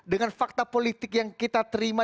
dengan fakta politik yang kita terima